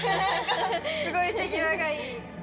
すごい手際がいい。